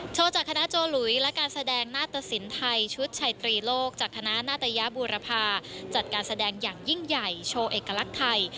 โชว์จากคณะโจหลุยและการแสดงหน้าตะสินไทยชุดชัยตรีโลกจากคณะนาตยาบูรพาจัดการแสดงอย่างยิ่งใหญ่โชว์เอกลักษณ์ไทย